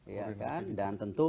ya kan dan tentu